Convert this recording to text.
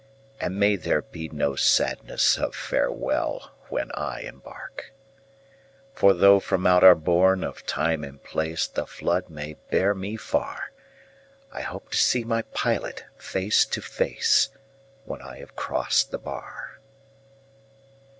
And may there be no sadness of farewell; When I embark; For tho' from out our bourne of Time and Place The flood may bear me far, I hope to see my pilot face to face When I have crossed the bar.